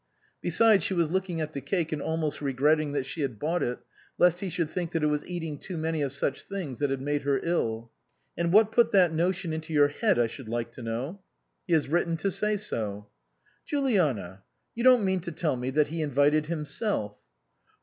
Besides she was looking at the cake and almost regretting that she had bought it, lest he should think that it was eating too many of such things that had made her ill. " And what put that notion into your head, I should like to know ?"" He has written to say so." " Juliana you don't mean to tell me that he invited himself